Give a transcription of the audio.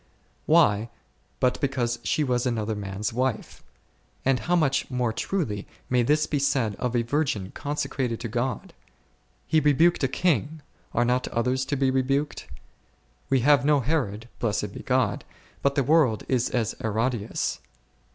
Why, but because she was another man's wife ; and how much more truly may this be said of a virgin consecrated to God ! He rebuked a king ; are not others to be rebuked ? We have no Herod, (blessed be God !) but the world is as Herodias.